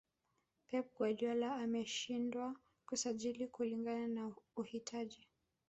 pep guardiola ameshindwa kusajili kulingana na uhitaji